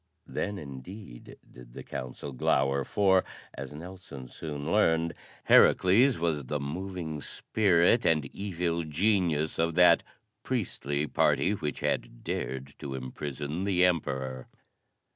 Then indeed did the council glower, for, as Nelson soon learned, Herakles was the moving spirit and evil genius of that priestly party which had dared to imprison the Emperor.